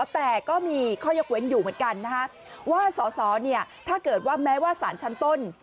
แต่ก็มีข้อยกเว้นอยู่เหมือนกันว่าสอสอถ้าเกิดว่าแม้ว่าสารชั้นต้น